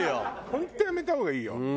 本当やめた方がいいよ